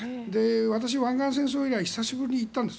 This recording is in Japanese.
私、湾岸戦争以来久しぶりに行ったんです。